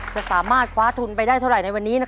จะสามารถคว้าทุนไปได้เท่าไหร่ในวันนี้